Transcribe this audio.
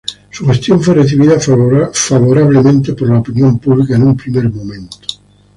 Su gestión fue recibida favorablemente por la opinión pública en un primer momento.